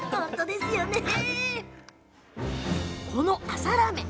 この朝ラーメン